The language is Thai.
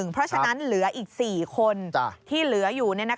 เพราะฉะนั้นเหลืออีก๔คนที่เหลืออยู่